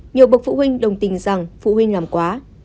nhiều bậc phụ huynh đồng tình rằng phụ huynh làm quá